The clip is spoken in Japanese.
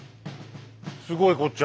すごいこっちゃ。